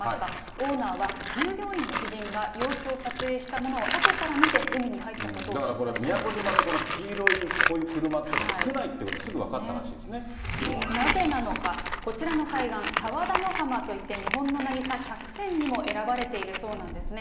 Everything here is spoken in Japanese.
オーナーは、従業員の知人が様子を撮影したものをあとから見て、だからこれ、宮古島で黄色いこういう車っていうのは少ないってこと、すぐ分かなぜなのか、こちらの海岸、佐和田の浜といって、日本の渚１００選にも選ばれているそうなんですね。